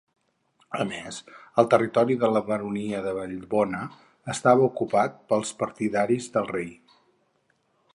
A més, el territori de la baronia de Vallbona estava ocupat pels partidaris del rei.